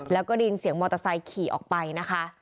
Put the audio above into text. แล้วก็ได้ยินเสียงมอเตอร์ไซค์ขี่ออกไปนะคะ